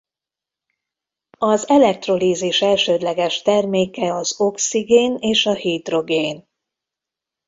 Az elektrolízis elsődleges terméke az oxigén és a hidrogén.